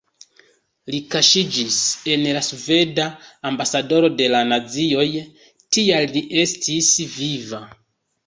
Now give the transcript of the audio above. Li kaŝiĝis en la sveda ambasadoro de la nazioj, tial li restis viva.